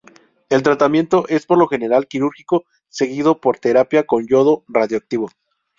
El tratamiento es por lo general quirúrgico seguido por terapia con yodo radiactivo.